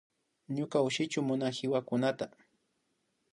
Ñuka ushushi munan wiwakunata